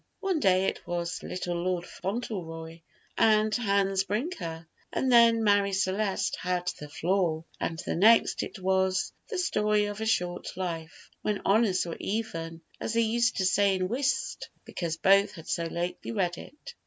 One day it was "Little Lord Fauntleroy" and "Hans Brinker," and then Marie Celeste "had the floor"; and the next it was "The Story of a Short Life," when honors were even, as they used to say in whist, because both had so lately read it.